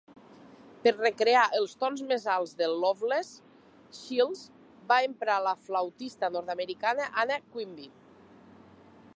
Per recrear els tons més alts de "Loveless", Shields va emprar la flautista nord-americana Anna Quimby.